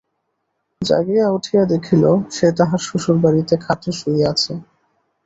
জাগিয়া উঠিয়া দেখিল, সে তাহার শ্বশুরবাড়িতে খাটে শুইয়া আছে।